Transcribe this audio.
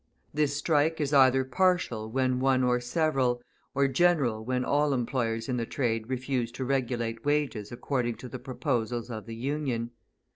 This strike is either partial when one or several, or general when all employers in the trade refuse to regulate wages according to the proposals of the Union.